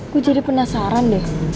gue jadi penasaran deh